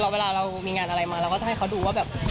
เวลาเรามีงานอะไรมาเราก็จะให้เขาดูว่าแบบ